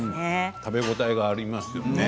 食べ応えがありますよね。